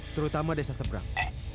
terutama desa seberang